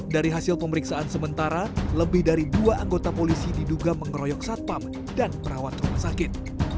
dari hasil pemeriksaan sementara lebih dari dua anggota polisi diduga mengeroyok satpam dan perawat rumah sakit